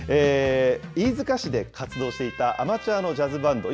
飯塚市で活動していたアマチュアのジャズバンド。